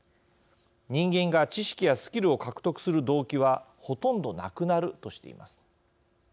人間が知識やスキルを獲得する動機はほとんどなくなるとしています。